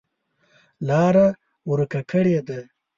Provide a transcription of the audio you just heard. لاره ورکه کړې ده.